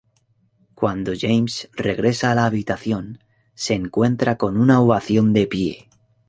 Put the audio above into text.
Cuando James regresa a la habitación, se encuentra con una ovación de pie.